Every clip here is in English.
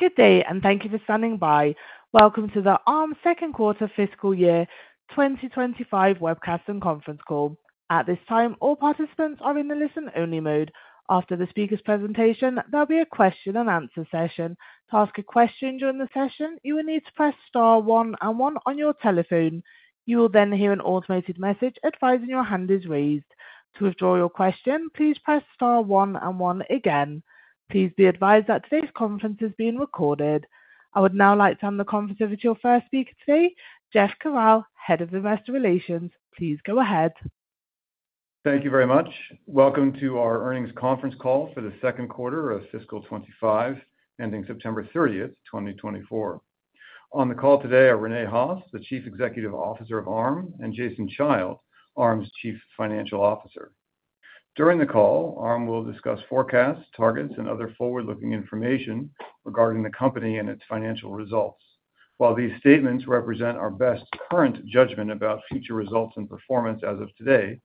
Good day, and thank you for standing by. Welcome to the Arm second quarter fiscal year 2025 webcast and conference call. At this time, all participants are in the listen-only mode. After the speaker's presentation, there'll be a question-and-answer session. To ask a question during the session, you will need to press star one and one on your telephone. You will then hear an automated message advising your hand is raised. To withdraw your question, please press star one and one again. Please be advised that today's conference is being recorded. I would now like to hand the conference over to your first speaker today, Jeff Kvaal, Head of Investor Relations. Please go ahead. Thank you very much. Welcome to our earnings conference call for the second quarter of fiscal 25 ending September 30th, 2024. On the call today are Rene Haas, the Chief Executive Officer of Arm, and Jason Child, Arm's Chief Financial Officer. During the call, Arm will discuss forecasts, targets, and other forward-looking information regarding the company and its financial results. While these statements represent our best current judgment about future results and performance as of today,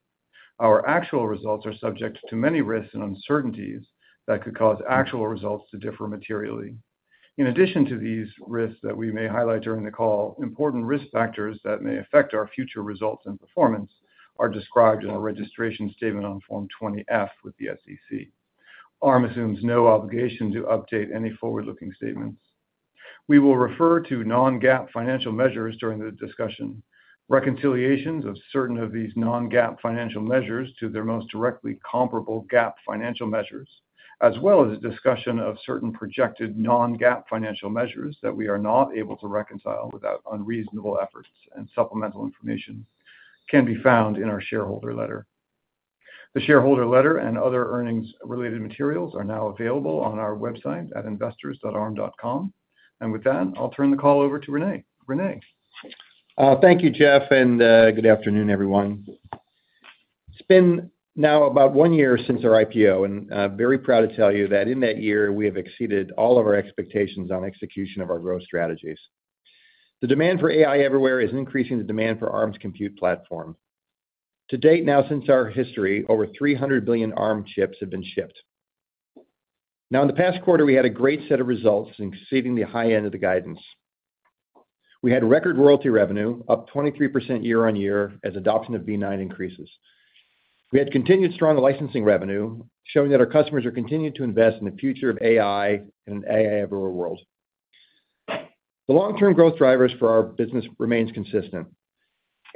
our actual results are subject to many risks and uncertainties that could cause actual results to differ materially. In addition to these risks that we may highlight during the call, important risk factors that may affect our future results and performance are described in a registration statement on Form 20-F with the SEC. Arm assumes no obligation to update any forward-looking statements. We will refer to non-GAAP financial measures during the discussion. Reconciliations of certain of these non-GAAP financial measures to their most directly comparable GAAP financial measures, as well as a discussion of certain projected non-GAAP financial measures that we are not able to reconcile without unreasonable efforts and supplemental information can be found in our shareholder letter. The shareholder letter and other earnings-related materials are now available on our website at investors.arm.com, and with that, I'll turn the call over to Rene. Rene. Thank you, Jeff, and good afternoon, everyone. It's been now about one year since our IPO, and I'm very proud to tell you that in that year, we have exceeded all of our expectations on execution of our growth strategies. The demand for AI everywhere is increasing the demand for Arm's compute platform. To date, now since our history, over 300 billion Arm chips have been shipped. Now, in the past quarter, we had a great set of results exceeding the high end of the guidance. We had record royalty revenue, up 23% year on year as adoption of v9 increases. We had continued strong licensing revenue, showing that our customers are continuing to invest in the future of AI and an AI everywhere world. The long-term growth drivers for our business remain consistent.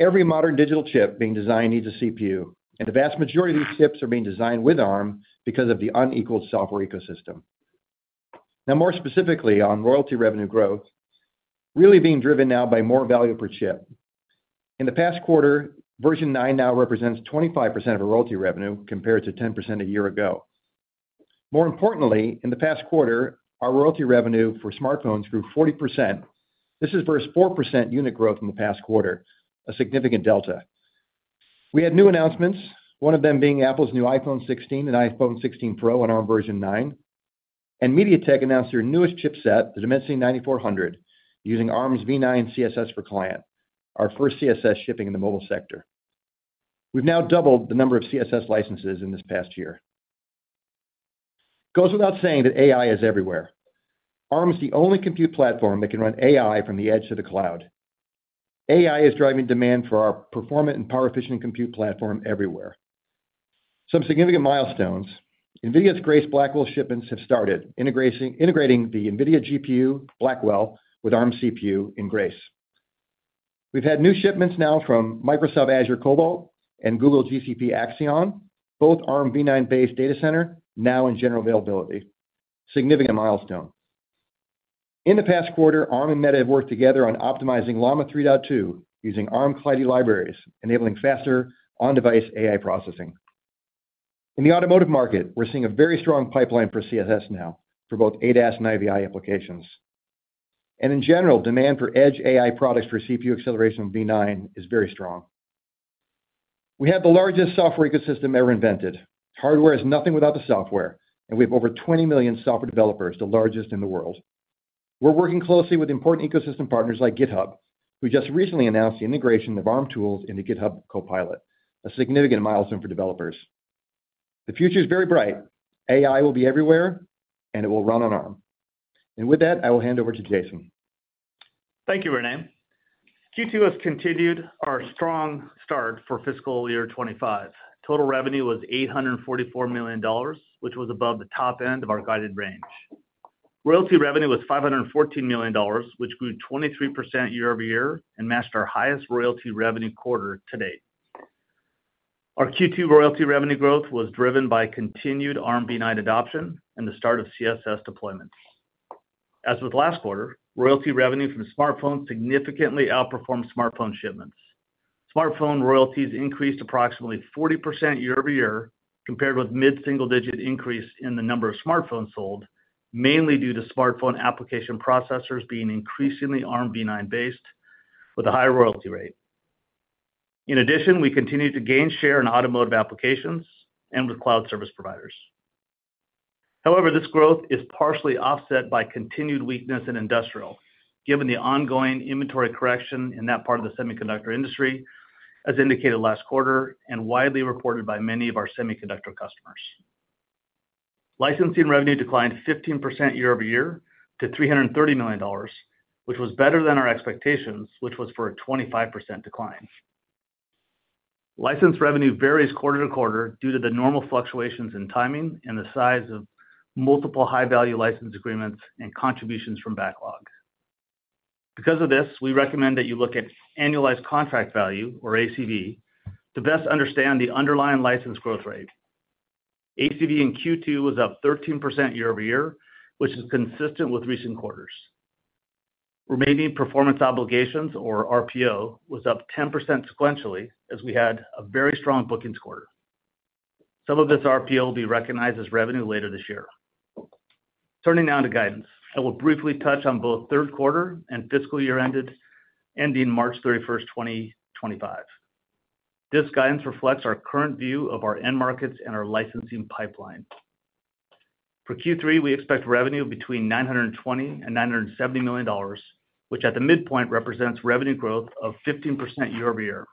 Every modern digital chip being designed needs a CPU, and the vast majority of these chips are being designed with Arm because of the unequaled software ecosystem. Now, more specifically on royalty revenue growth, really being driven now by more value per chip. In the past quarter, version nine now represents 25% of our royalty revenue compared to 10% a year ago. More importantly, in the past quarter, our royalty revenue for smartphones grew 40%. This is versus 4% unit growth in the past quarter, a significant delta. We had new announcements, one of them being Apple's new iPhone 16 and iPhone 16 Pro on our version nine, and MediaTek announced their newest chipset, the Dimensity 9400, using Arm's v9 CSS for client, our first CSS shipping in the mobile sector. We've now doubled the number of CSS licenses in this past year. It goes without saying that AI is everywhere. Arm's the only compute platform that can run AI from the edge to the cloud. AI is driving demand for our performant and power-efficient compute platform everywhere. Some significant milestones: NVIDIA's Grace Blackwell shipments have started, integrating the NVIDIA GPU Blackwell with Arm CPU in Grace. We've had new shipments now from Microsoft Azure Cobalt and Google Cloud Axion, both Armv9-based data center, now in general availability. Significant milestone. In the past quarter, Arm and Meta have worked together on optimizing Llama 3.2 using Arm Kleidi libraries, enabling faster on-device AI processing. In the automotive market, we're seeing a very strong pipeline for CSS now for both ADAS and IVI applications. And in general, demand for edge AI products for CPU acceleration v9 is very strong. We have the largest software ecosystem ever invented. Hardware is nothing without the software, and we have over 20 million software developers, the largest in the world. We're working closely with important ecosystem partners like GitHub, who just recently announced the integration of Arm tools into GitHub Copilot, a significant milestone for developers. The future is very bright. AI will be everywhere, and it will run on Arm, and with that, I will hand over to Jason. Thank you, Rene. Q2 has continued our strong start for fiscal year 25. Total revenue was $844 million, which was above the top end of our guided range. Royalty revenue was $514 million, which grew 23% year-over-year and matched our highest royalty revenue quarter to date. Our Q2 royalty revenue growth was driven by continued Armv9 adoption and the start of CSS deployment. As with last quarter, royalty revenue from smartphones significantly outperformed smartphone shipments. Smartphone royalties increased approximately 40% year-over-year compared with mid-single-digit increase in the number of smartphones sold, mainly due to smartphone application processors being increasingly Armv9-based with a higher royalty rate. In addition, we continue to gain share in automotive applications and with cloud service providers. However, this growth is partially offset by continued weakness in industrial, given the ongoing inventory correction in that part of the semiconductor industry, as indicated last quarter and widely reported by many of our semiconductor customers. Licensing revenue declined 15% year-over-year to $330 million, which was better than our expectations, which was for a 25% decline. License revenue varies quarter-to-quarter due to the normal fluctuations in timing and the size of multiple high-value license agreements and contributions from backlog. Because of this, we recommend that you look at annualized contract value, or ACV, to best understand the underlying license growth rate. ACV in Q2 was up 13% year-over-year, which is consistent with recent quarters. Remaining performance obligations, or RPO, was up 10% sequentially as we had a very strong bookings quarter. Some of this RPO will be recognized as revenue later this year. Turning now to guidance, I will briefly touch on both third quarter and fiscal year ending March 31st, 2025. This guidance reflects our current view of our end markets and our licensing pipeline. For Q3, we expect revenue between $920-$970 million, which at the midpoint represents revenue growth of 15% year-over-year.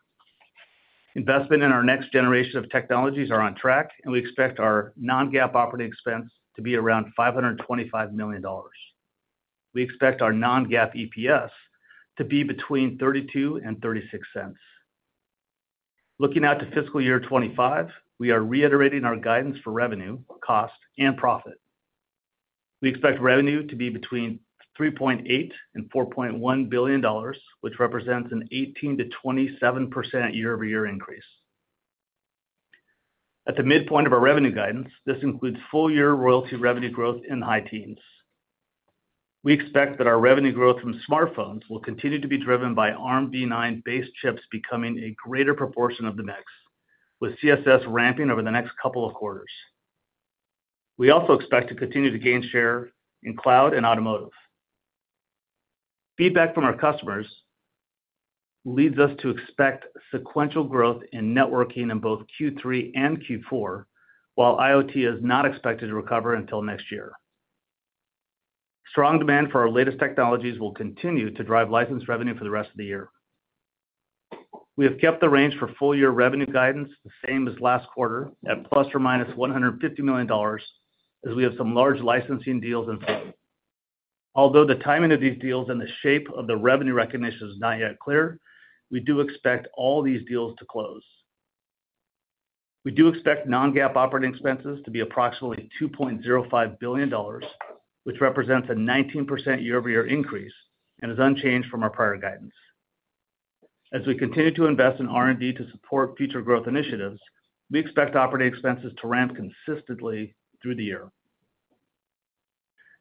Investment in our next generation of technologies is on track, and we expect our non-GAAP operating expense to be around $525 million. We expect our non-GAAP EPS to be between $0.32 and $0.36. Looking out to fiscal year 2025, we are reiterating our guidance for revenue, cost, and profit. We expect revenue to be between $3.8-$4.1 billion, which represents an 18%-27% year-over-year increase. At the midpoint of our revenue guidance, this includes full-year royalty revenue growth in the high teens. We expect that our revenue growth from smartphones will continue to be driven by Armv9-based chips becoming a greater proportion of the mix, with CSS ramping over the next couple of quarters. We also expect to continue to gain share in cloud and automotive. Feedback from our customers leads us to expect sequential growth in networking in both Q3 and Q4, while IoT is not expected to recover until next year. Strong demand for our latest technologies will continue to drive license revenue for the rest of the year. We have kept the range for full-year revenue guidance the same as last quarter at plus or minus $150 million as we have some large licensing deals in place. Although the timing of these deals and the shape of the revenue recognition is not yet clear, we do expect all these deals to close. We do expect non-GAAP operating expenses to be approximately $2.05 billion, which represents a 19% year-over-year increase and is unchanged from our prior guidance. As we continue to invest in R&D to support future growth initiatives, we expect operating expenses to ramp consistently through the year.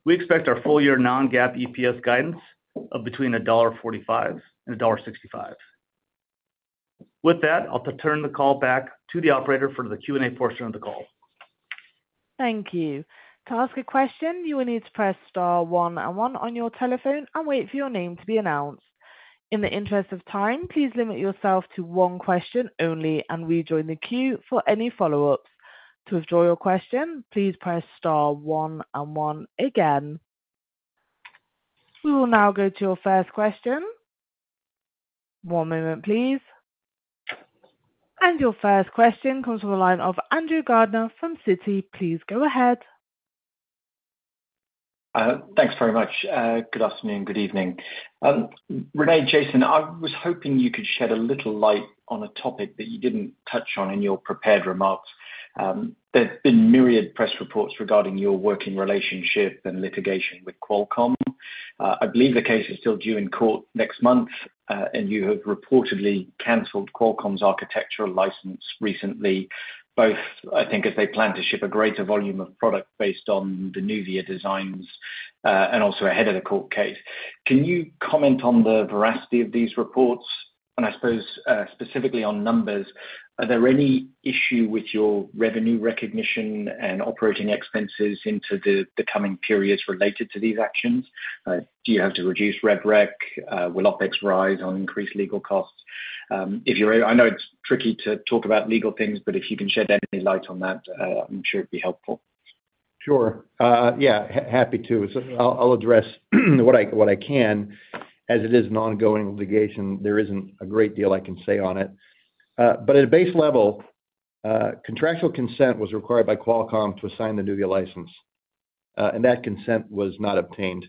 We expect our full-year non-GAAP EPS guidance of between $1.45 and $1.65. With that, I'll turn the call back to the operator for the Q&A portion of the call. Thank you. To ask a question, you will need to press star one and one on your telephone and wait for your name to be announced. In the interest of time, please limit yourself to one question only and rejoin the queue for any follow-ups. To withdraw your question, please press star one and one again. We will now go to your first question. One moment, please. And your first question comes from the line of Andrew Gardiner from Citi. Please go ahead. Thanks very much. Good afternoon, good evening. Rene, Jason, I was hoping you could shed a little light on a topic that you didn't touch on in your prepared remarks. There have been myriad press reports regarding your working relationship and litigation with Qualcomm. I believe the case is still due in court next month, and you have reportedly canceled Qualcomm's architectural license recently, both, I think, as they plan to ship a greater volume of product based on the Nuvia designs and also ahead of the court case. Can you comment on the veracity of these reports? And I suppose specifically on numbers, are there any issue with your revenue recognition and operating expenses into the coming periods related to these actions? Do you have to reduce RevRec? Will OpEx rise on increased legal costs? I know it's tricky to talk about legal things, but if you can shed any light on that, I'm sure it'd be helpful. Sure. Yeah, happy to. I'll address what I can as it is an ongoing litigation. There isn't a great deal I can say on it, but at a base level, contractual consent was required by Qualcomm to assign the Nuvia license, and that consent was not obtained.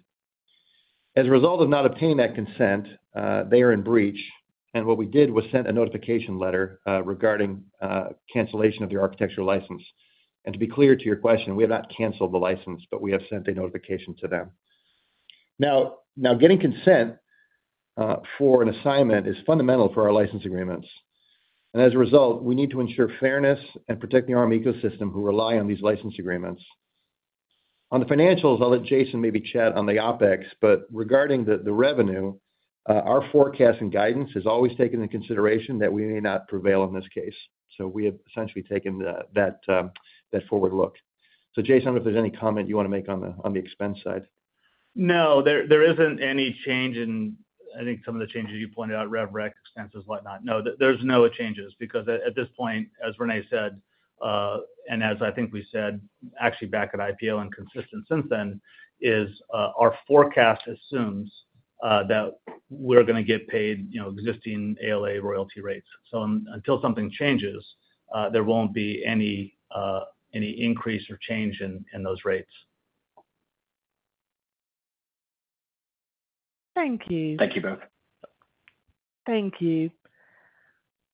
As a result of not obtaining that consent, they are in breach, and what we did was send a notification letter regarding cancellation of the architectural license. To be clear to your question, we have not canceled the license, but we have sent a notification to them. Now, getting consent for an assignment is fundamental for our license agreements, and as a result, we need to ensure fairness and protect the Arm ecosystem who rely on these license agreements. On the financials, I'll let Jason maybe chat on the OpEx, but regarding the revenue, our forecast and guidance has always taken into consideration that we may not prevail in this case. So we have essentially taken that forward look. So Jason, if there's any comment you want to make on the expense side? No, there isn't any change in, I think, some of the changes you pointed out, RevRec, expenses, whatnot. No, there's no changes because at this point, as Rene said, and as I think we said, actually back at IPO and consistent since then, our forecast assumes that we're going to get paid existing ALA royalty rates. So until something changes, there won't be any increase or change in those rates. Thank you. Thank you both. Thank you.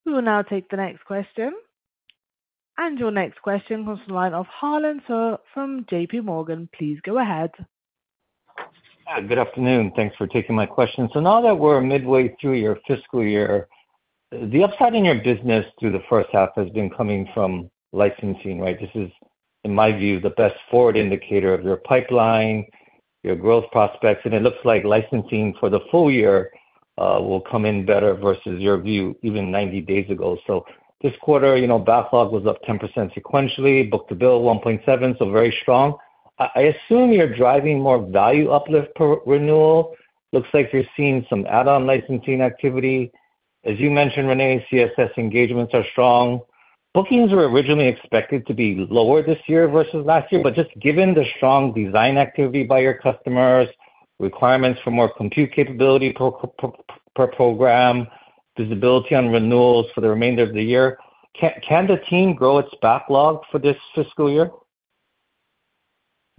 We will now take the next question. And your next question comes from the line of Harlan Sur from J.P. Morgan. Please go ahead. Good afternoon. Thanks for taking my question. So now that we're midway through your fiscal year, the upside in your business through the first half has been coming from licensing, right? This is, in my view, the best forward indicator of your pipeline, your growth prospects, and it looks like licensing for the full year will come in better versus your view even 90 days ago. So this quarter, backlog was up 10% sequentially, book-to-bill 1.7, so very strong. I assume you're driving more value uplift renewal. Looks like you're seeing some add-on licensing activity. As you mentioned, Rene, CSS engagements are strong. Bookings were originally expected to be lower this year versus last year, but just given the strong design activity by your customers, requirements for more compute capability per program, visibility on renewals for the remainder of the year, can the team grow its backlog for this fiscal year?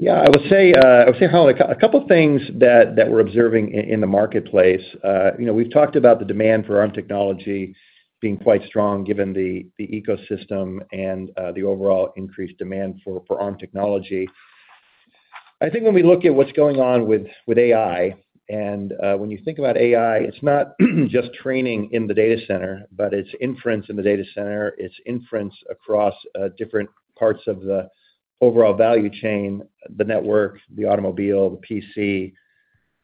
Yeah, I would say, Harlan, a couple of things that we're observing in the marketplace. We've talked about the demand for Arm technology being quite strong given the ecosystem and the overall increased demand for Arm technology. I think when we look at what's going on with AI, and when you think about AI, it's not just training in the data center, but it's inference in the data center. It's inference across different parts of the overall value chain, the network, the automobile, the PC,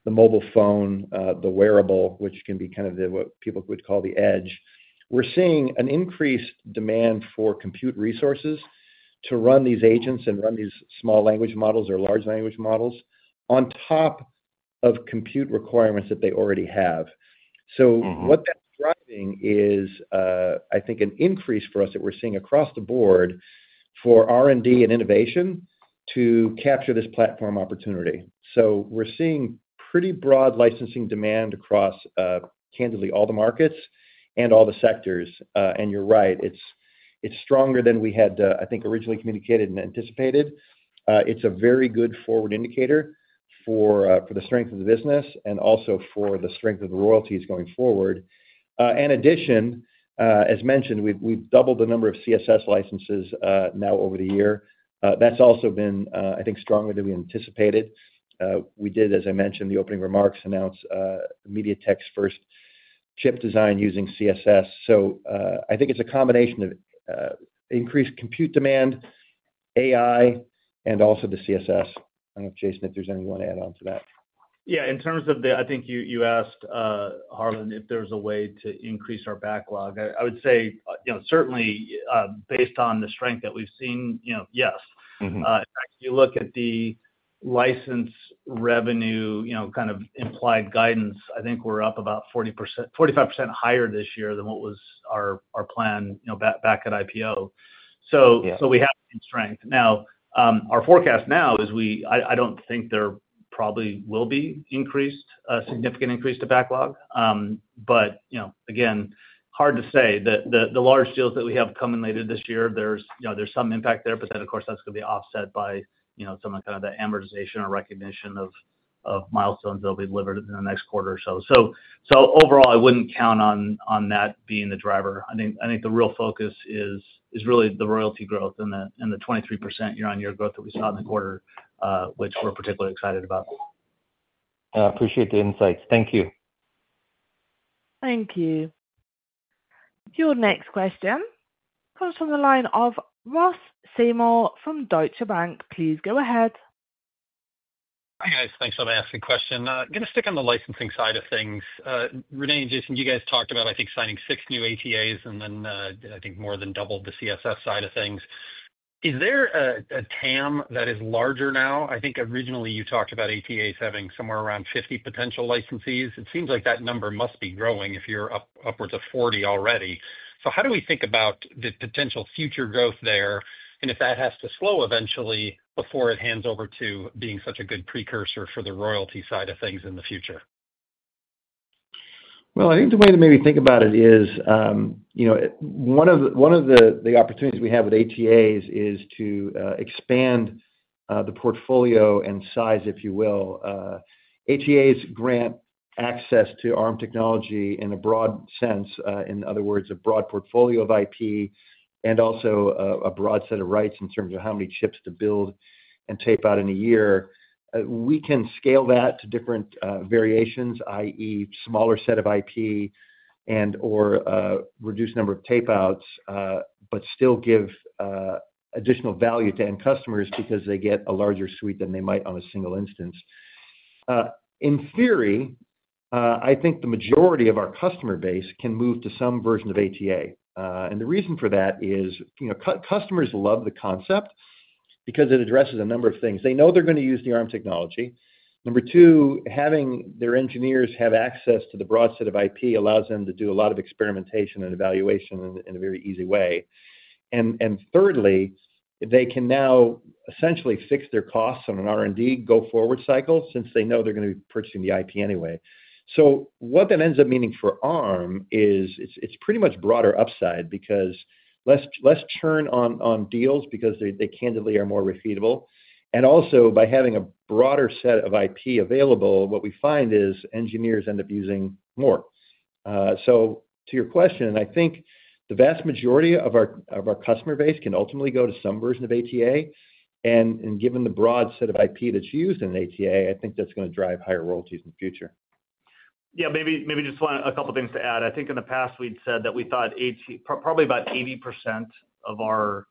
the mobile phone, the wearable, which can be kind of what people would call the edge. We're seeing an increased demand for compute resources to run these agents and run these small language models or large language models on top of compute requirements that they already have. So what that's driving is, I think, an increase for us that we're seeing across the board for R&D and innovation to capture this platform opportunity. So we're seeing pretty broad licensing demand across, candidly, all the markets and all the sectors. And you're right, it's stronger than we had, I think, originally communicated and anticipated. It's a very good forward indicator for the strength of the business and also for the strength of the royalties going forward. In addition, as mentioned, we've doubled the number of CSS licenses now over the year. That's also been, I think, stronger than we anticipated. We did, as I mentioned, the opening remarks announce MediaTek's first chip design using CSS. So I think it's a combination of increased compute demand, AI, and also the CSS. I don't know, Jason, if there's anyone to add on to that. Yeah, in terms of the, I think you asked, Harlan, if there's a way to increase our backlog. I would say, certainly, based on the strength that we've seen, yes. In fact, if you look at the license revenue kind of implied guidance, I think we're up about 45% higher this year than what was our plan back at IPO. So we have some strength. Now, our forecast now is I don't think there probably will be a significant increase to backlog. But again, hard to say. The large deals that we have coming later this year, there's some impact there, but then, of course, that's going to be offset by some of the kind of the amortization or recognition of milestones that will be delivered in the next quarter or so. So overall, I wouldn't count on that being the driver. I think the real focus is really the royalty growth and the 23% year-on-year growth that we saw in the quarter, which we're particularly excited about. I appreciate the insights. Thank you. Thank you. Your next question comes from the line of Ross Seymore from Deutsche Bank. Please go ahead. Hi, guys. Thanks for asking the question. I'm going to stick on the licensing side of things. Rene and Jason, you guys talked about, I think, signing six new ATAs and then, I think, more than doubled the CSS side of things. Is there a TAM that is larger now? I think originally you talked about ATAs having somewhere around 50 potential licensees. It seems like that number must be growing if you're upwards of 40 already. So how do we think about the potential future growth there? And if that has to slow eventually before it hands over to being such a good precursor for the royalty side of things in the future? I think the way to maybe think about it is one of the opportunities we have with ATAs is to expand the portfolio and size, if you will. ATAs grant access to Arm technology in a broad sense, in other words, a broad portfolio of IP and also a broad set of rights in terms of how many chips to build and tape out in a year. We can scale that to different variations, i.e., smaller set of IP and/or reduced number of tapeouts, but still give additional value to end customers because they get a larger suite than they might on a single instance. In theory, I think the majority of our customer base can move to some version of ATA. And the reason for that is customers love the concept because it addresses a number of things. They know they're going to use the Arm technology. Number two, having their engineers have access to the broad set of IP allows them to do a lot of experimentation and evaluation in a very easy way. And thirdly, they can now essentially fix their costs on an R&D go forward cycle since they know they're going to be purchasing the IP anyway. So what that ends up meaning for Arm is it's pretty much broader upside because less churn on deals because they candidly are more repeatable. And also, by having a broader set of IP available, what we find is engineers end up using more. So to your question, I think the vast majority of our customer base can ultimately go to some version of ATA. And given the broad set of IP that's used in ATA, I think that's going to drive higher royalties in the future. Yeah, maybe just a couple of things to add. I think in the past we'd said that we thought probably about 80% of our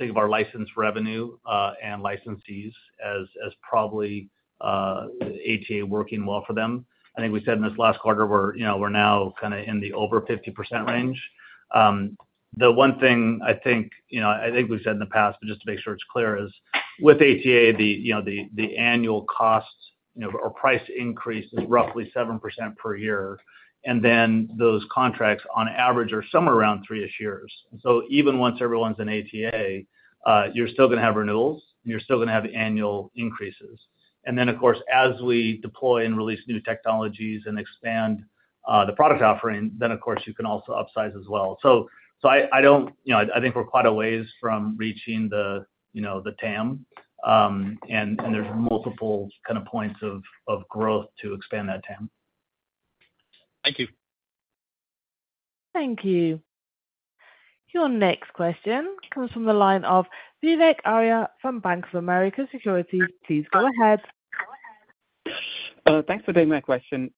license revenue and licensees as probably ATA working well for them. I think we said in this last quarter we're now kind of in the over 50% range. The one thing I think we've said in the past, but just to make sure it's clear, is with ATA, the annual cost or price increase is roughly 7% per year. And then those contracts on average are somewhere around three-ish years. So even once everyone's in ATA, you're still going to have renewals and you're still going to have annual increases. And then, of course, as we deploy and release new technologies and expand the product offering, then, of course, you can also upsize as well. So I think we're quite a ways from reaching the TAM, and there's multiple kind of points of growth to expand that TAM. Thank you. Thank you. Your next question comes from the line of Vivek Arya from Bank of America Securities. Please go ahead. Thanks for taking that question.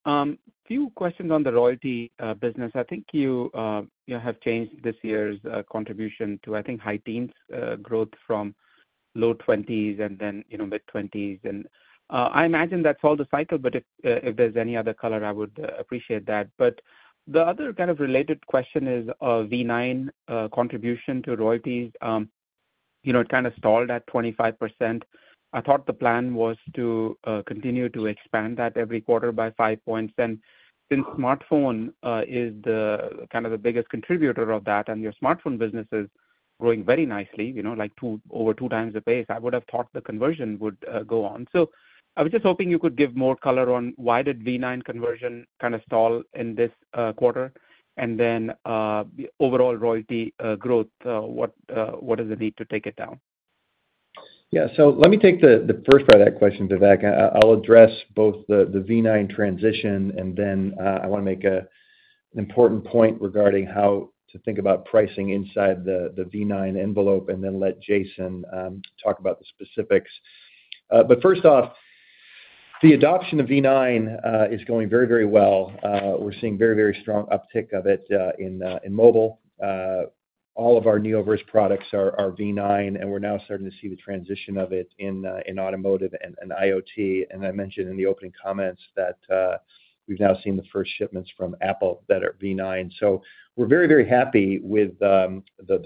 Few questions on the royalty business. I think you have changed this year's contribution to, I think, high-teens growth from low 20s and then mid 20s. And I imagine that's all the cycle, but if there's any other color, I would appreciate that. But the other kind of related question is V9 contribution to royalties. It kind of stalled at 25%. I thought the plan was to continue to expand that every quarter by five points. And since smartphone is kind of the biggest contributor of that and your smartphone business is growing very nicely, like over two times the pace, I would have thought the conversion would go on. So I was just hoping you could give more color on why did V9 conversion kind of stall in this quarter? And then overall royalty growth, what is the need to take it down? Yeah, so let me take the first part of that question, Vivek. I'll address both the V9 transition, and then I want to make an important point regarding how to think about pricing inside the V9 envelope and then let Jason talk about the specifics. But first off, the adoption of V9 is going very, very well. We're seeing very, very strong uptick of it in mobile. All of our Neoverse products are V9, and we're now starting to see the transition of it in automotive and IoT. And I mentioned in the opening comments that we've now seen the first shipments from Apple that are V9. So we're very, very happy with the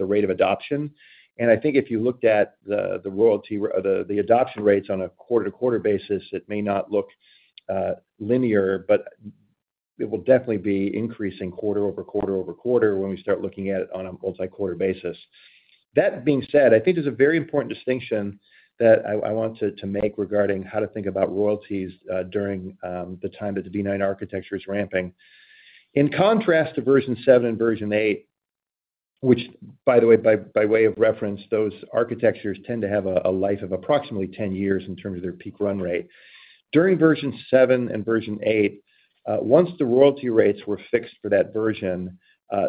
rate of adoption. And I think if you looked at the adoption rates on a quarter-to-quarter basis, it may not look linear, but it will definitely be increasing quarter over quarter over quarter when we start looking at it on a multi-quarter basis. That being said, I think there's a very important distinction that I want to make regarding how to think about royalties during the time that the V9 architecture is ramping. In contrast to version 7 and version 8, which, by the way, by way of reference, those architectures tend to have a life of approximately 10 years in terms of their peak run rate. During version 7 and version 8, once the royalty rates were fixed for that version,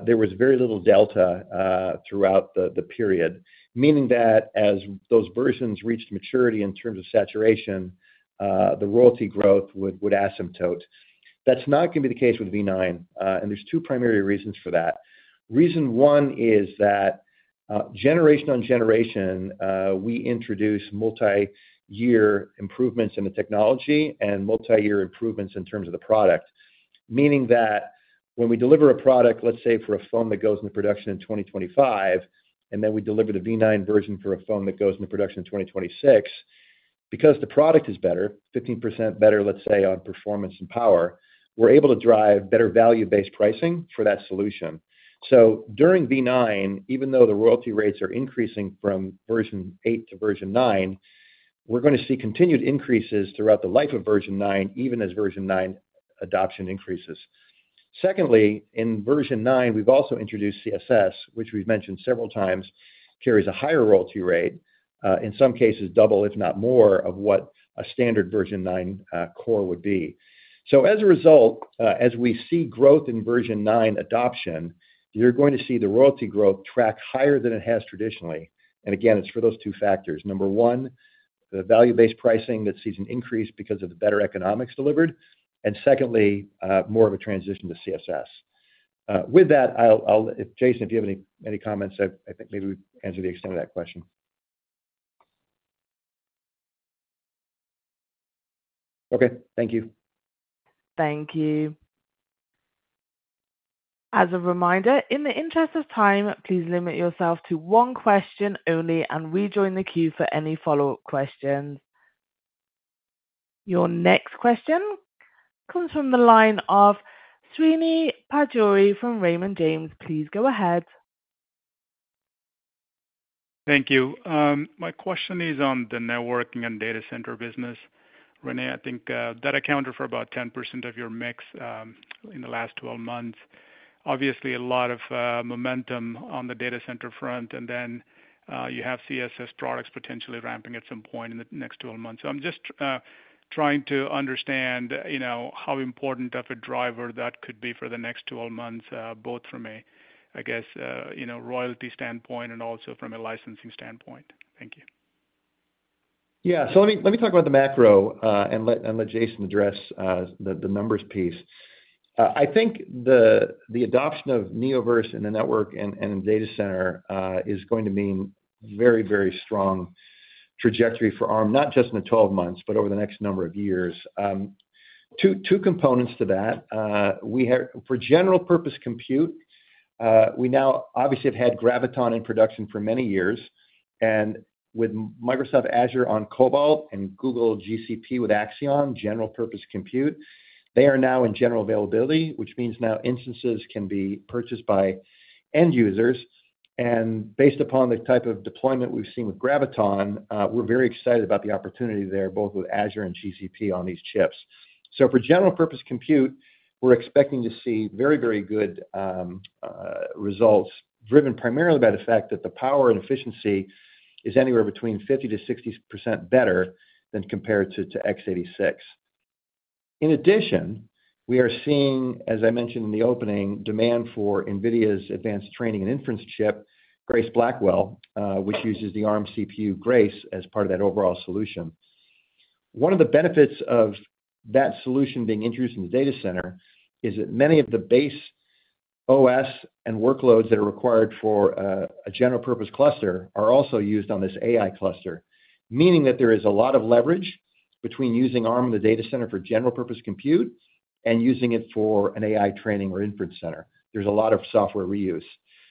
there was very little delta throughout the period, meaning that as those versions reached maturity in terms of saturation, the royalty growth would asymptote. That's not going to be the case with V9, and there's two primary reasons for that. Reason one is that generation on generation, we introduce multi-year improvements in the technology and multi-year improvements in terms of the product. Meaning that when we deliver a product, let's say for a phone that goes into production in 2025, and then we deliver the V9 version for a phone that goes into production in 2026, because the product is better, 15% better, let's say, on performance and power, we're able to drive better value-based pricing for that solution. So during V9, even though the royalty rates are increasing from version 8 to version 9, we're going to see continued increases throughout the life of version 9, even as version 9 adoption increases. Secondly, in version 9, we've also introduced CSS, which we've mentioned several times, carries a higher royalty rate, in some cases double, if not more, of what a standard version 9 core would be. So as a result, as we see growth in version 9 adoption, you're going to see the royalty growth track higher than it has traditionally. And again, it's for those two factors. Number one, the value-based pricing that sees an increase because of the better economics delivered. And secondly, more of a transition to CSS. With that, Jason, if you have any comments, I think maybe we've answered the extent of that question. Okay, thank you. Thank you. As a reminder, in the interest of time, please limit yourself to one question only and rejoin the queue for any follow-up questions. Your next question comes from the line of Srinivas Pajjuri from Raymond James. Please go ahead. Thank you. My question is on the networking and data center business. Rene, I think that accounted for about 10% of your mix in the last 12 months. Obviously, a lot of momentum on the data center front, and then you have CSS products potentially ramping at some point in the next 12 months. So I'm just trying to understand how important of a driver that could be for the next 12 months, both from a, I guess, royalty standpoint and also from a licensing standpoint. Thank you. Yeah, so let me talk about the macro and let Jason address the numbers piece. I think the adoption of Neoverse in the network and data center is going to mean a very, very strong trajectory for Arm, not just in the 12 months, but over the next number of years. Two components to that. For general-purpose compute, we now obviously have had Graviton in production for many years. And with Microsoft Azure Cobalt and Google Cloud Axion, general-purpose compute, they are now in general availability, which means now instances can be purchased by end users. And based upon the type of deployment we've seen with Graviton, we're very excited about the opportunity there, both with Azure and GCP on these chips. For general-purpose compute, we're expecting to see very, very good results, driven primarily by the fact that the power and efficiency is anywhere between 50%-60% better than compared to x86. In addition, we are seeing, as I mentioned in the opening, demand for NVIDIA's advanced training and inference chip, Grace Blackwell, which uses the Arm CPU Grace as part of that overall solution. One of the benefits of that solution being introduced in the data center is that many of the base OS and workloads that are required for a general-purpose cluster are also used on this AI cluster, meaning that there is a lot of leverage between using Arm in the data center for general-purpose compute and using it for an AI training or inference center. There's a lot of software reuse.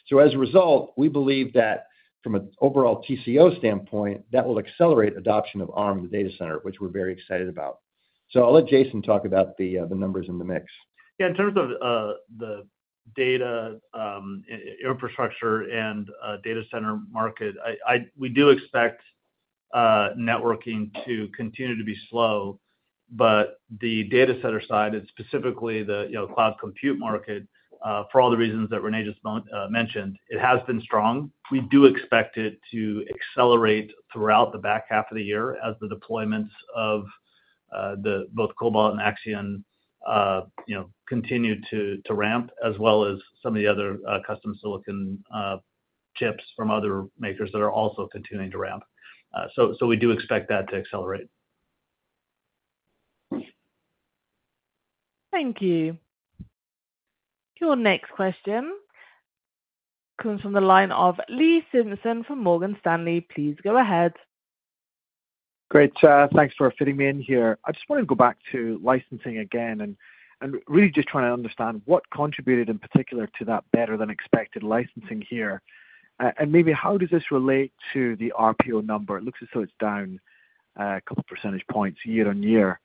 So as a result, we believe that from an overall TCO standpoint, that will accelerate adoption of Arm in the data center, which we're very excited about. So I'll let Jason talk about the numbers in the mix. Yeah, in terms of the data infrastructure and data center market, we do expect networking to continue to be slow, but the data center side, and specifically the cloud compute market, for all the reasons that Rene just mentioned, it has been strong. We do expect it to accelerate throughout the back half of the year as the deployments of both Cobalt and Axion continue to ramp, as well as some of the other custom silicon chips from other makers that are also continuing to ramp. So we do expect that to accelerate. Thank you. Your next question comes from the line of Lee Simpson from Morgan Stanley. Please go ahead. Great. Thanks for fitting me in here. I just want to go back to licensing again and really just trying to understand what contributed in particular to that better-than-expected licensing here. And maybe how does this relate to the RPO number? It looks as though it's down a couple of percentage points year on year.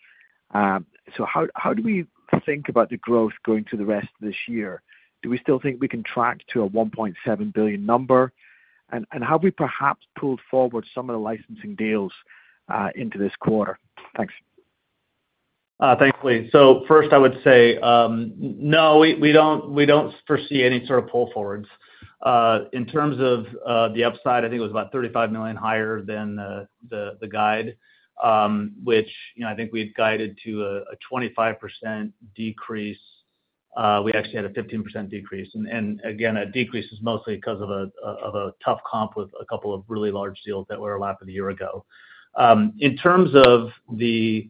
So how do we think about the growth going to the rest of this year? Do we still think we can track to a $1.7 billion number? And have we perhaps pulled forward some of the licensing deals into this quarter? Thanks. Thanks, Lee. So first, I would say no, we don't foresee any sort of pull forwards. In terms of the upside, I think it was about $35 million higher than the guide, which I think we'd guided to a 25% decrease. We actually had a 15% decrease. And again, a decrease is mostly because of a tough comp with a couple of really large deals that were wrapped a year ago. In terms of the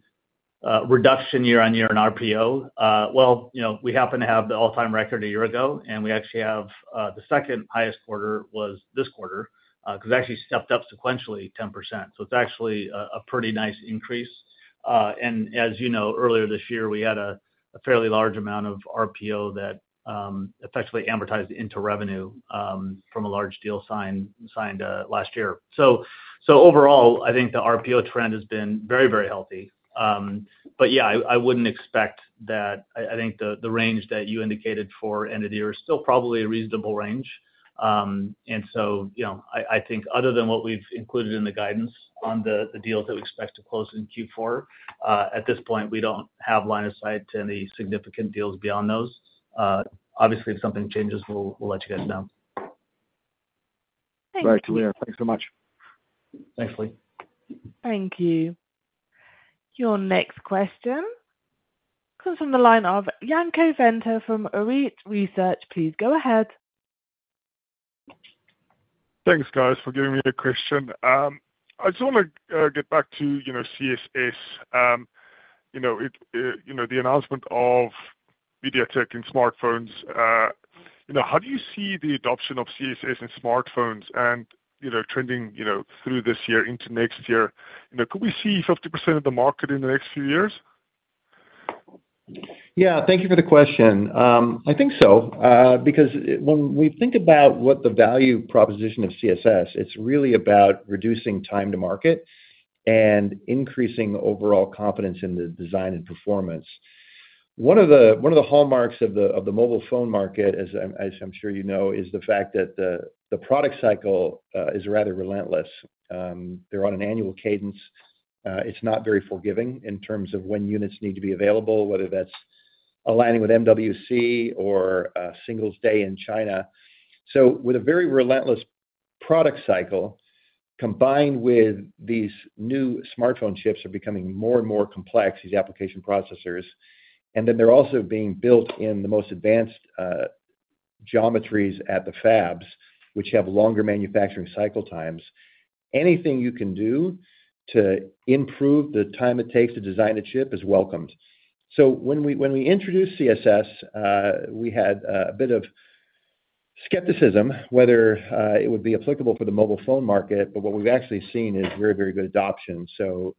reduction year on year in RPO, well, we happen to have the all-time record a year ago, and we actually have the second highest quarter was this quarter because it actually stepped up sequentially 10%. So it's actually a pretty nice increase. And as you know, earlier this year, we had a fairly large amount of RPO that effectively amortized into revenue from a large deal signed last year. So overall, I think the RPO trend has been very, very healthy, but yeah, I wouldn't expect that. I think the range that you indicated for end of the year is still probably a reasonable range, and so I think other than what we've included in the guidance on the deals that we expect to close in Q4, at this point, we don't have line of sight to any significant deals beyond those. Obviously, if something changes, we'll let you guys know. Thank you. All right, clear. Thanks so much. Thanks, Lee. Thank you. Your next question comes from the line of Brett Simpson from Arete Research. Please go ahead. Thanks, guys, for giving me a question. I just want to get back to CSS. The announcement of MediaTek in smartphones, how do you see the adoption of CSS in smartphones and trending through this year into next year? Could we see 50% of the market in the next few years? Yeah, thank you for the question. I think so. Because when we think about what the value proposition of CSS is, it's really about reducing time to market and increasing overall confidence in the design and performance. One of the hallmarks of the mobile phone market, as I'm sure you know, is the fact that the product cycle is rather relentless. They're on an annual cadence. It's not very forgiving in terms of when units need to be available, whether that's aligning with MWC or Singles' Day in China. So with a very relentless product cycle, combined with these new smartphone chips that are becoming more and more complex, these application processors, and then they're also being built in the most advanced geometries at the fabs, which have longer manufacturing cycle times. Anything you can do to improve the time it takes to design a chip is welcomed. So when we introduced CSS, we had a bit of skepticism whether it would be applicable for the mobile phone market, but what we've actually seen is very, very good adoption. So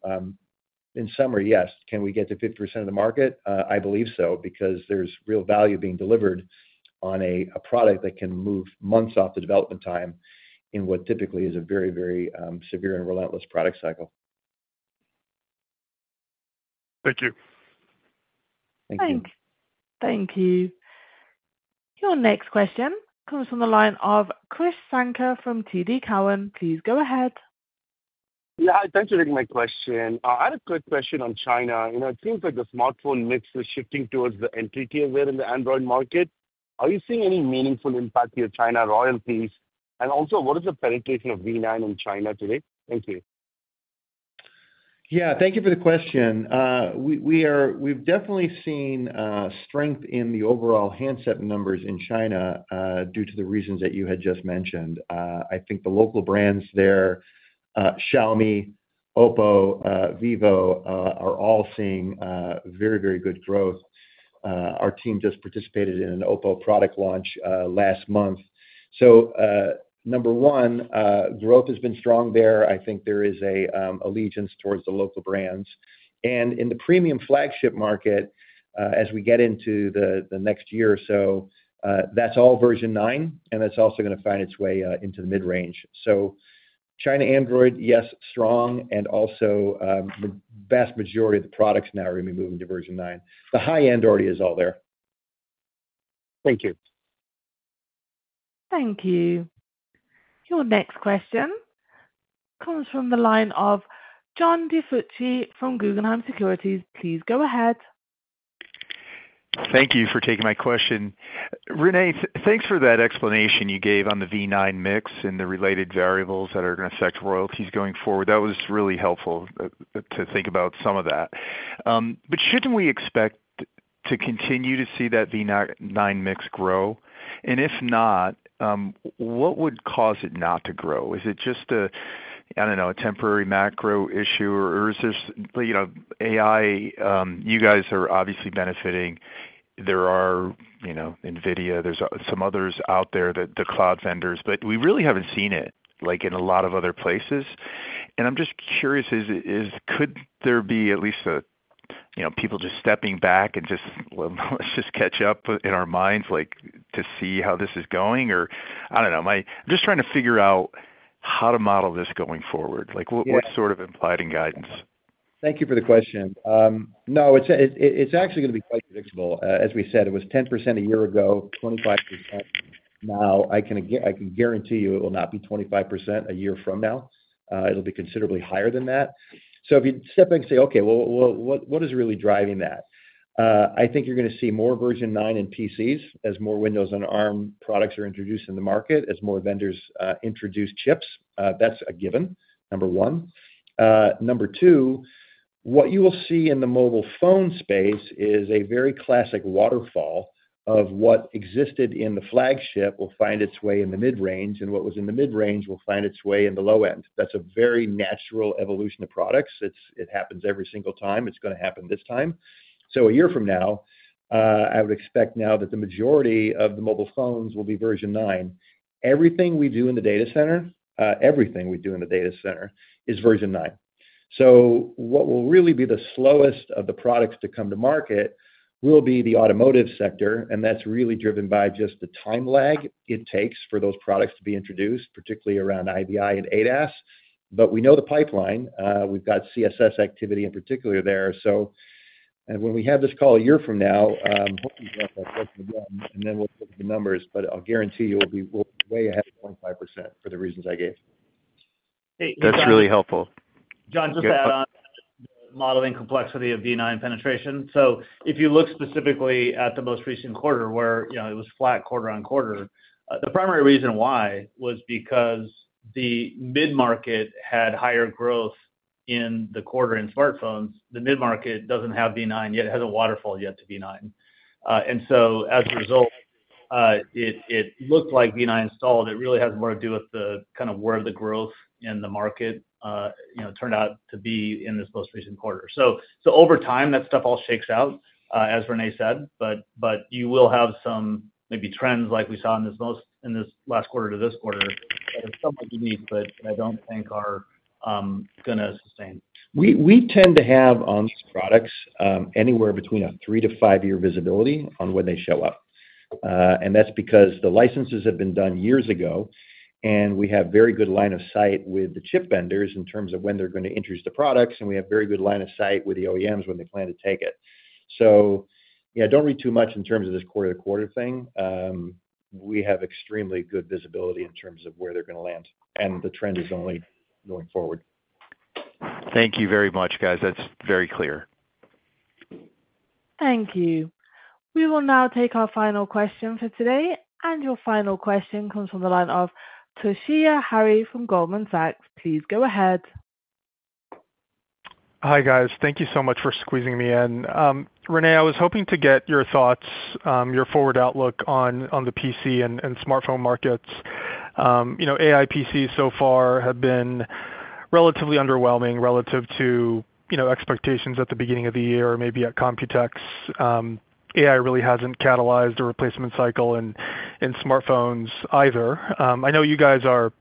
in summary, yes, can we get to 50% of the market? I believe so because there's real value being delivered on a product that can move months off the development time in what typically is a very, very severe and relentless product cycle. Thank you. Thank you. Thank you. Your next question comes from the line of Krish Sankar from TD Cowen. Please go ahead. Yeah, thanks for taking my question. I had a quick question on China. It seems like the smartphone mix is shifting towards the entry tier there in the Android market. Are you seeing any meaningful impact to your China royalties? And also, what is the penetration of V9 in China today? Thank you. Yeah, thank you for the question. We've definitely seen strength in the overall handset numbers in China due to the reasons that you had just mentioned. I think the local brands there, Xiaomi, Oppo, Vivo, are all seeing very, very good growth. Our team just participated in an Oppo product launch last month. So number one, growth has been strong there. I think there is an allegiance towards the local brands. And in the premium flagship market, as we get into the next year or so, that's all version 9, and that's also going to find its way into the mid-range. So China Android, yes, strong, and also the vast majority of the products now are going to be moving to version 9. The high-end already is all there. Thank you. Thank you. Your next question comes from the line of John DiFucci from Guggenheim Securities. Please go ahead. Thank you for taking my question. Rene, thanks for that explanation you gave on the Armv9 mix and the related variables that are going to affect royalties going forward. That was really helpful to think about some of that. But shouldn't we expect to continue to see that Armv9 mix grow? And if not, what would cause it not to grow? Is it just, I don't know, a temporary macro issue? Or is there AI? You guys are obviously benefiting. There are NVIDIA. There's some others out there, the cloud vendors. But we really haven't seen it in a lot of other places. And I'm just curious, could there be at least people just stepping back and just, well, let's just catch up in our minds to see how this is going? Or I don't know. I'm just trying to figure out how to model this going forward. What sort of implied guidance? Thank you for the question. No, it's actually going to be quite predictable. As we said, it was 10% a year ago, 25% now. I can guarantee you it will not be 25% a year from now. It'll be considerably higher than that. So if you step back and say, "Okay, well, what is really driving that?" I think you're going to see more version 9 in PCs as more Windows on Arm products are introduced in the market, as more vendors introduce chips. That's a given, number one. Number two, what you will see in the mobile phone space is a very classic waterfall of what existed in the flagship will find its way in the mid-range, and what was in the mid-range will find its way in the low end. That's a very natural evolution of products. It happens every single time. It's going to happen this time. So a year from now, I would expect now that the majority of the mobile phones will be version 9. Everything we do in the data center, everything we do in the data center, is version 9. So what will really be the slowest of the products to come to market will be the automotive sector, and that's really driven by just the time lag it takes for those products to be introduced, particularly around IVI and ADAS. But we know the pipeline. We've got CSS activity in particular there. So when we have this call a year from now, hopefully you'll have that question again, and then we'll look at the numbers. But I'll guarantee you we'll be way ahead of 25% for the reasons I gave. That's really helpful. John, just to add on the modeling complexity of V9 penetration. So if you look specifically at the most recent quarter, where it was flat quarter on quarter, the primary reason why was because the mid-market had higher growth in the quarter in smartphones. The mid-market doesn't have V9 yet. It hasn't waterfalled yet to V9. And so as a result, it looked like V9 installed. It really has more to do with the kind of where the growth in the market turned out to be in this most recent quarter. So over time, that stuff all shakes out, as Renee said. But you will have some maybe trends like we saw in this last quarter to this quarter that are somewhat unique, but I don't think are going to sustain. We tend to have on these products anywhere between a three- to five-year visibility on when they show up. And that's because the licenses have been done years ago, and we have very good line of sight with the chip vendors in terms of when they're going to introduce the products, and we have very good line of sight with the OEMs when they plan to take it. So yeah, don't read too much in terms of this quarter-to-quarter thing. We have extremely good visibility in terms of where they're going to land, and the trend is only going forward. Thank you very much, guys. That's very clear. Thank you. We will now take our final question for today. Your final question comes from the line of Toshiya Hari from Goldman Sachs. Please go ahead. Hi guys. Thank you so much for squeezing me in. Rene, I was hoping to get your thoughts, your forward outlook on the PC and smartphone markets. AI PCs so far have been relatively underwhelming relative to expectations at the beginning of the year, maybe at Computex. AI really hasn't catalyzed a replacement cycle in smartphones either. I know you guys are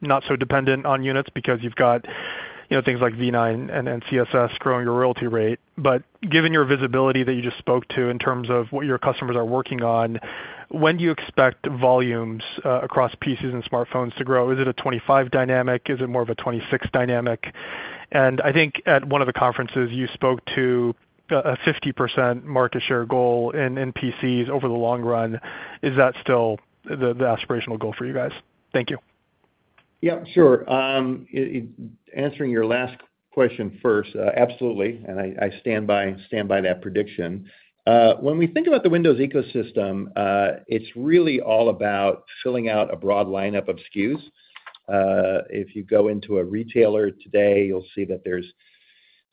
not so dependent on units because you've got things like V9 and CSS growing your royalty rate. But given your visibility that you just spoke to in terms of what your customers are working on, when do you expect volumes across PCs and smartphones to grow? Is it a 25 dynamic? Is it more of a 26 dynamic? And I think at one of the conferences, you spoke to a 50% market share goal in PCs over the long run. Is that still the aspirational goal for you guys? Thank you. Yep, sure. Answering your last question first, absolutely. I stand by that prediction. When we think about the Windows ecosystem, it's really all about filling out a broad lineup of SKUs. If you go into a retailer today, you'll see that there's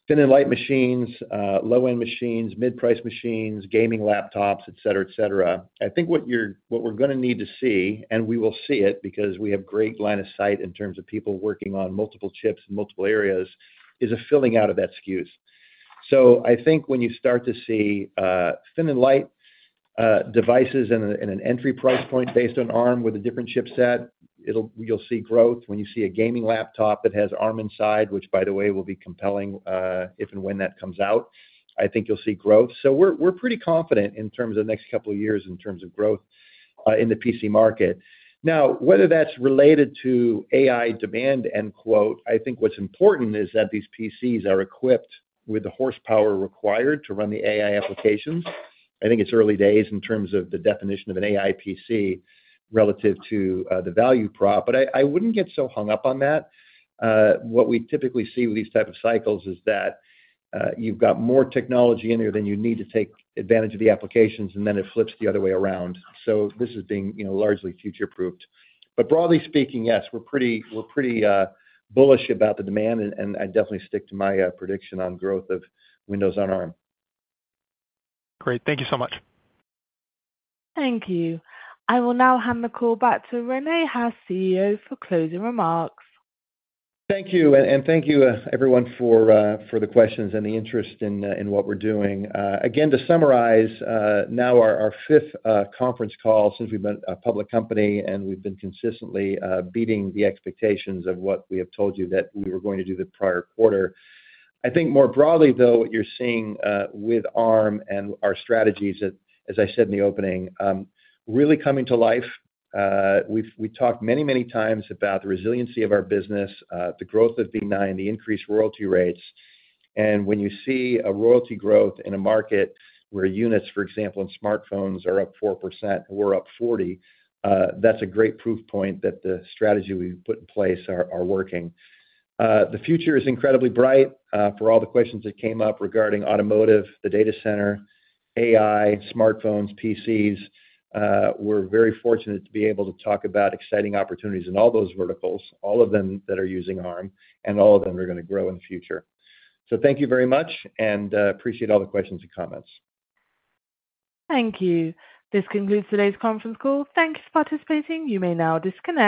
thin and light machines, low-end machines, mid-price machines, gaming laptops, etc., etc. I think what we're going to need to see, and we will see it because we have great line of sight in terms of people working on multiple chips in multiple areas, is a filling out of that SKUs. I think when you start to see thin and light devices in an entry price point based on Arm with a different chipset, you'll see growth. When you see a gaming laptop that has Arm inside, which, by the way, will be compelling if and when that comes out, I think you'll see growth. So we're pretty confident in terms of the next couple of years in terms of growth in the PC market. Now, whether that's related to AI demand end quote, I think what's important is that these PCs are equipped with the horsepower required to run the AI applications. I think it's early days in terms of the definition of an AI PC relative to the value prop. But I wouldn't get so hung up on that. What we typically see with these types of cycles is that you've got more technology in there than you need to take advantage of the applications, and then it flips the other way around. So this is being largely future-proofed. But broadly speaking, yes, we're pretty bullish about the demand, and I definitely stick to my prediction on growth of Windows on Arm. Great. Thank you so much. Thank you. I will now hand the call back to Rene Haas, CEO, for closing remarks. Thank you, and thank you, everyone, for the questions and the interest in what we're doing. Again, to summarize, now our fifth conference call since we've been a public company and we've been consistently beating the expectations of what we have told you that we were going to do the prior quarter. I think more broadly, though, what you're seeing with Arm and our strategies, as I said in the opening, really coming to life. We've talked many, many times about the resiliency of our business, the growth of V9, the increased royalty rates. And when you see a royalty growth in a market where units, for example, in smartphones are up 4% or up 40%, that's a great proof point that the strategy we've put in place is working. The future is incredibly bright for all the questions that came up regarding automotive, the data center, AI, smartphones, PCs. We're very fortunate to be able to talk about exciting opportunities in all those verticals, all of them that are using Arm, and all of them are going to grow in the future. So thank you very much, and I appreciate all the questions and comments. Thank you. This concludes today's conference call. Thank you for participating. You may now disconnect.